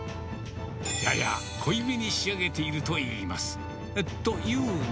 やや濃い目に仕上げているといいます。